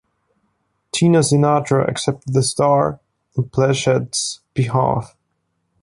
Tina Sinatra accepted the star on Pleshette's behalf.